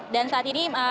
dan saat ini